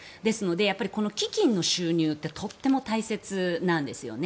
この基金の収入ってとても大切なんですね。